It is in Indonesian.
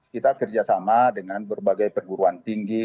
kita kerjasama dengan berbagai perguruan tinggi